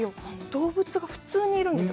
動物が普通にいるんです。